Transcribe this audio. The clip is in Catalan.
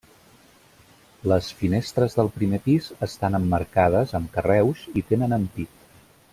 Les finestres del primer pis estan emmarcades amb carreus i tenen ampit.